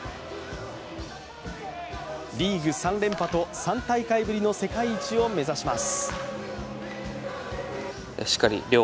リーグ３連覇と３大会ぶりの世界一を目指します。